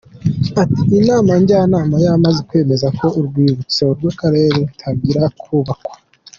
Ati “Inama njyanama yamaze kwemeza ko urwibutso rw’akarere rutangira kubakwa.